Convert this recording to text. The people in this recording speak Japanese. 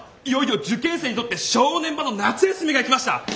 いよいよ受験生にとって正念場の夏休みが来ました。